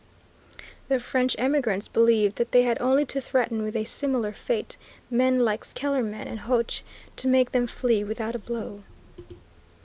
The French emigrants believed that they had only to threaten with a similar fate men like Kellermann and Hoche to make them flee without a blow.